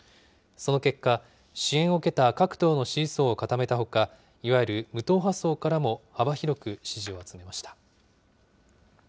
その結果、支援を受けた各党の支持層を固めたほか、いわゆる無党派層からも幅広く支持を集めました。